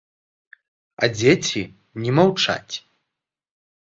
А дзеці не маўчаць.